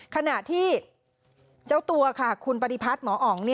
ขณะที่เจ้าตัวค่ะคุณปฏิพัฒน์หมออ๋อง